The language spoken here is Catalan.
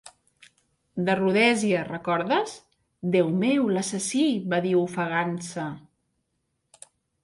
"De Rhodèsia, recordes?". "Déu meu, l'assassí!!" va dir ofegant-se.